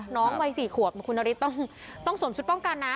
วัย๔ขวบคุณนฤทธิ์ต้องสวมชุดป้องกันนะ